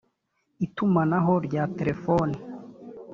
itumanaho rya telefoni